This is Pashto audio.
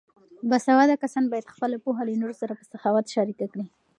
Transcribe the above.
باسواده کسان باید خپله پوهه له نورو سره په سخاوت شریکه کړي.